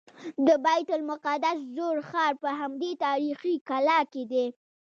د بیت المقدس زوړ ښار په همدې تاریخي کلا کې دی.